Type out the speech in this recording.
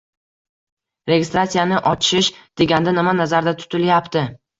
Registratsiyani ochish deganda nima nazarda tutilayapti